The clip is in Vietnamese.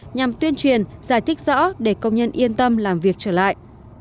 nhằm tuyên truyền giải thích rõ để công nhân yên tâm làm việc trở lại